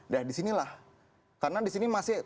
nah disinilah karena disini masih